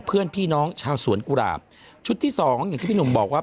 เพื่อนพี่น้องชาวสวนกุหลาบชุดที่สองอย่างที่พี่หนุ่มบอกว่า